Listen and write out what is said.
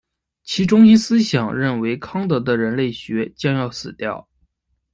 其中心思想是认为康德的人类学将要死掉。